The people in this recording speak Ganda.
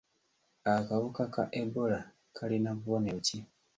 Akawuka ka Ebola kalina bubonero ki?